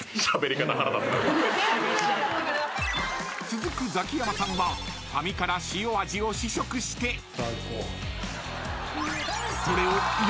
［続くザキヤマさんはファミから塩味を試食して］最高。